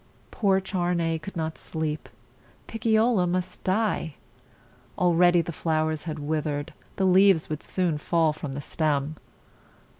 Poor Charney could not sleep. Picciola must die. Already the flowers had with ered; the leaves would soon fall from the stem.